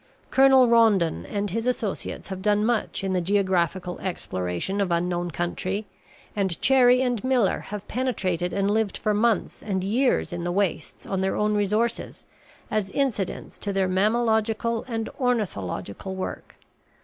Colonel Rondon and his associates have done much in the geographical exploration of unknown country, and Cherrie and Miller have penetrated and lived for months and years in the wastes, on their own resources, as incidents to their mammalogical and ornithological work.